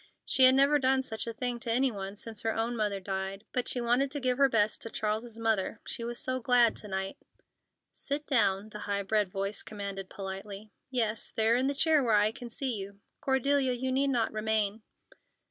She had never done such a thing to any one since her own mother died, but she wanted to give her best to Charles's mother, she was so glad to night. "Sit down," the high bred voice commanded politely. "Yes, there in the chair where I can see you. Cordelia, you need not remain."